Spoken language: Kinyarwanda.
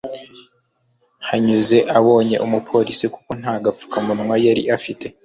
Yahunze abonye umupolisi kuko naga fukamunwa yari afite.